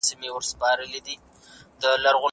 تعليم د پوهي پراخ بهير دی ؛خو تدريس ځانګړې کړنه ده.